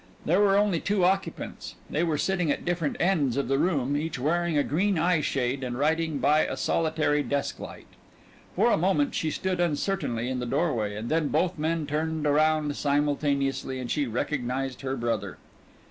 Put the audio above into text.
There were only two occupants. They were sitting at different ends of the room, each wearing a green eye shade and writing by a solitary desk light. For a moment she stood uncertainly in the doorway, and then both men turned around simultaneously and she recognized her brother.